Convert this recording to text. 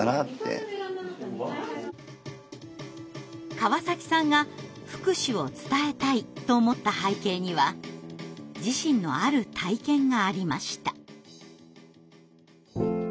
川崎さんが福祉を伝えたいと思った背景には自身のある体験がありました。